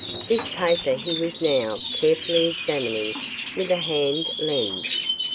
This paper he was now carefully examining with a hand lens.